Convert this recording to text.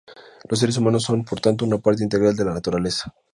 Los seres humanos son, por tanto, una parte integral de la naturaleza.